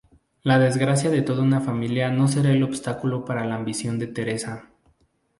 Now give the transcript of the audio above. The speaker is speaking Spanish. La desgracia de toda una familia no será obstáculo para la ambición de Teresa.